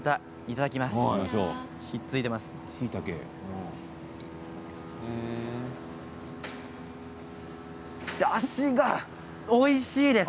だしがおいしいです。